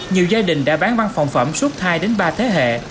nhiều gia đình đã bán văn phòng phẩm suốt hai ba thế hệ